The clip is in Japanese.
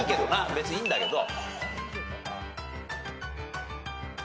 別にいいんだけど。